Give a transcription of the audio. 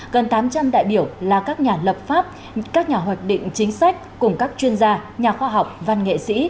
gần tám trăm linh đại biểu là các nhà lập pháp các nhà hoạch định chính sách cùng các chuyên gia nhà khoa học văn nghệ sĩ